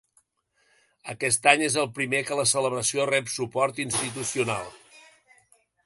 Aquest any és el primer que la celebració rep suport institucional.